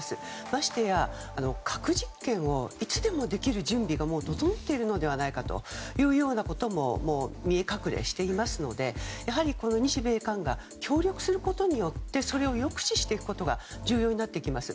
ましてや核実験をいつでもできる準備がもう整っているのではないかというようなことも見え隠れしていますのでやはり日米韓が協力することによってそれを抑止していくことが重要になってきます。